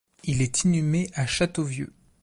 Il est inhumé à Châteauvieux.